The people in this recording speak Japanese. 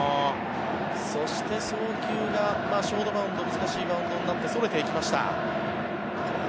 そして、送球がショートバウンド難しいバウンドになってそれていきました。